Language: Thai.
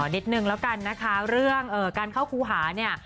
นิดนึงแล้วกันนะคะเรื่องการเข้าครูหาเนี่ย